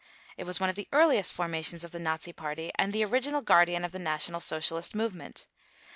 It was one of the earliest formations of the Nazi Party and the original guardian of the National Socialist movement.